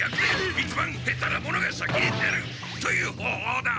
一番下手な者が先に出るという方法だ！